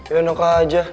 ya nongka aja